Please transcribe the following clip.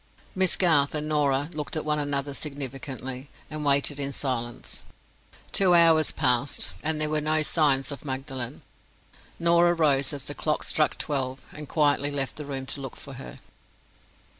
Miss Garth and Norah looked at one another significantly, and waited in silence. Two hours passed—and there were no signs of Magdalen. Norah rose, as the clock struck twelve, and quietly left the room to look for her.